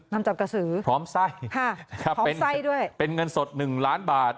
นำจับกระสือพร้อมไส้พร้อมไส้ด้วยเป็นเงินสดหนึ่งล้านบาท